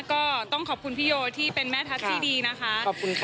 ก็ต้องขอบคุณพี่โยที่เป็นแม่ทัพที่ดีนะคะขอบคุณค่ะ